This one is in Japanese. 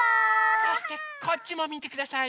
そしてこっちもみてください。